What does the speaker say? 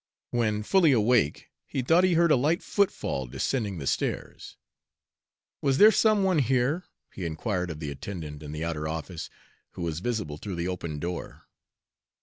When fully awake, he thought he heard a light footfall descending the stairs. "Was there some one here?" he inquired of the attendant in the outer office, who was visible through the open door.